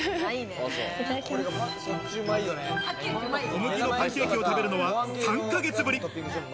小麦のパンケーキを食べるのは３ヶ月ぶり。